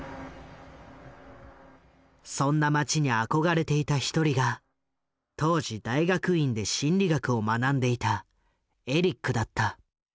そんな街に憧れていた一人が当時大学院で心理学を学んでいたエリックだった。